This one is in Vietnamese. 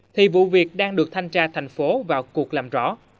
thì vụ việc đang được thanh tra thành phố vào cuộc làm rõ